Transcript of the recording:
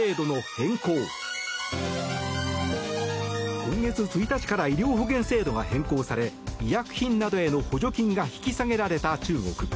今月１日から医療保険制度が変更され医薬品などへの補助金が引き下げられた中国。